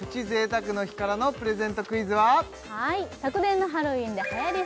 贅沢の日からのプレゼントクイズは？